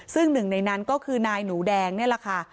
ซึ่งหนึ่งในนั้นก็คือนายหนูแดงนี่แหละค่ะ